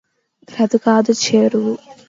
గ్రద్ద కాడు చేరు